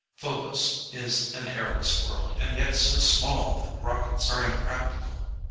Phobos is an airless world, and yet so small that rockets are impractical.